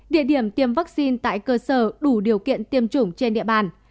địa điểm tiêm vaccine tại cơ sở đủ điều kiện tiêm chủng trên địa bàn